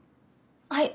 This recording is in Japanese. はい。